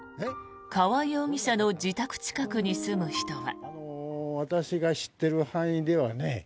川合容疑者の自宅近くに住む人は。